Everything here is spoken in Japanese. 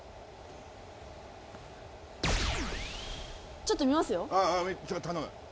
ちょっと見ますよ。